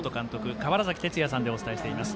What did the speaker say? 川原崎哲也さんでお伝えしています。